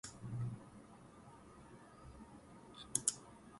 They are also highly influenced by social media and online influencers.